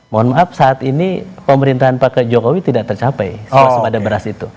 mohon maaf saat ini pemerintahan pak jokowi tidak tercapai suase pada beras itu